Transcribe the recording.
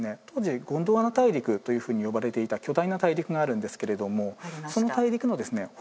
当時ゴンドワナ大陸というふうに呼ばれていた巨大な大陸があるんですけれどもその大陸のですね